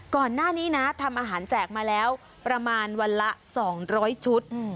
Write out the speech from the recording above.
ก่อนหน้านี้นะทำอาหารแจกมาแล้วประมาณวันละ๒๐๐ชุด